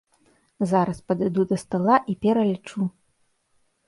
Зараз падыду да стала і пералічу.